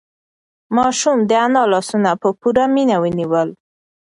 ماشوم د انا لاسونه په پوره مینه ونیول.